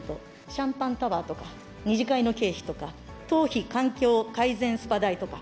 シャンパンタワーとか、二次会の経費とか、頭皮環境改善スパ代とか。